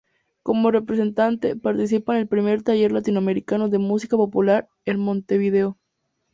Como representante, participa en el "Primer Taller Latinoamericano de Música Popular", en Montevideo.